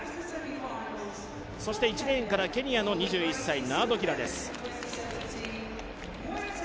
そして１レーンからケニアの２１歳、ナアドキラです。